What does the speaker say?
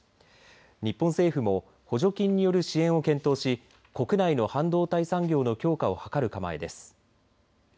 日本政府も補助金による支援を検討し国内の半導体産業の強化を図る構えです。